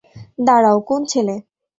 দাঁড়াও, কোন ছেলে?